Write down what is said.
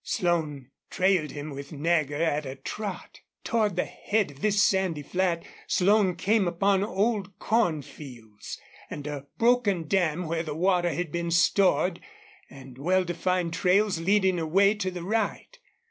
Slone trailed him with Nagger at a trot. Toward the head of this sandy flat Slone came upon old corn fields, and a broken dam where the water had been stored, and well defined trails leading away to the right.